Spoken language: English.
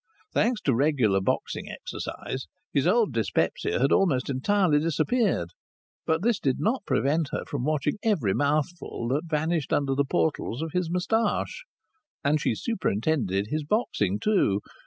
Thanks to regular boxing exercise, his old dyspepsia had almost entirely disappeared, but this did not prevent her from watching every mouthful that vanished under the portals of his moustache. And she superintended his boxing too.